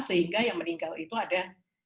sehingga yang meninggal itu ada